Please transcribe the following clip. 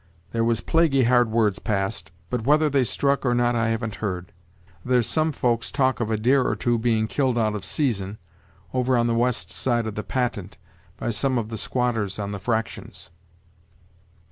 There was plaguey hard words passed, but whether they struck or not I haven't heard. There's some folks talk of a deer or two being killed out of season, over on the west side of the Patent, by some of the squatters on the 'Fractions.'"